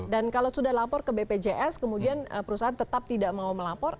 dan kalau sudah lapor ke bpjs kemudian perusahaan tetap tidak mau melapor